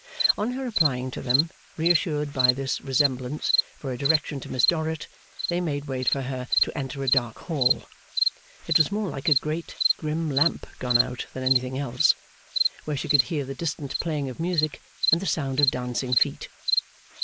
On her applying to them, reassured by this resemblance, for a direction to Miss Dorrit, they made way for her to enter a dark hall it was more like a great grim lamp gone out than anything else where she could hear the distant playing of music and the sound of dancing feet.